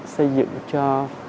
xây dựng cho